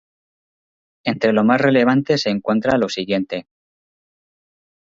Entre lo más relevante se encuentra lo siguiente.